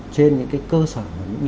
trên những cái cơ sở